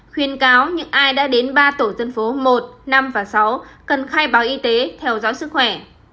khuyên cáo những ai đã đến ba tổ dân phố một năm và sáu cần khai báo y tế theo dõi sức khỏe